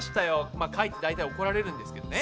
まあかいて大体怒られるんですけどね。